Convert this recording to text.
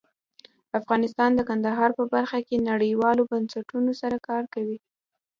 افغانستان د کندهار په برخه کې نړیوالو بنسټونو سره کار کوي.